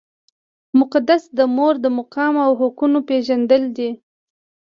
مقصد د مور د مقام او حقونو پېژندل دي.